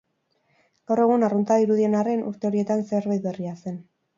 Gaur egun arrunta dirudien arren, urte horietan zerbait berria zen.